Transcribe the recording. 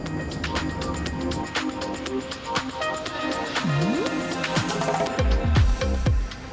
oke satu lagi oke lalu selanjutnya kita akan panaskan kompor